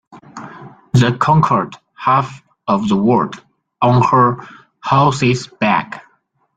The conquered half of the world on her horse's back.